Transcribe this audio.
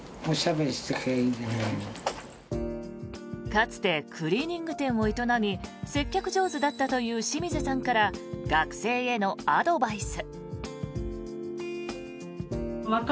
かつてクリーニング店を営み接客上手だったという清水さんから学生へのアドバイス。